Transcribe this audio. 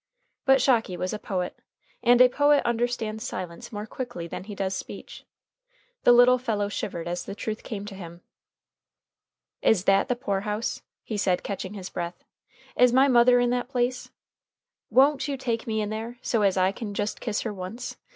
But Shocky was a poet, and a poet understands silence more quickly than he does speech. The little fellow shivered as the truth came to him. "Is that the poor house?" he said, catching his breath. "Is my mother in that place? Won't you take me in there, so as I can just kiss her once?